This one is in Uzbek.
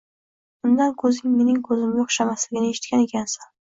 Undan ko'zing mening ko'zimga o'xshamasligini eshitgan ekansan.